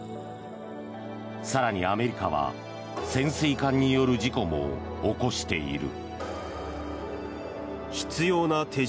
更にアメリカは潜水艦による事故も起こしている。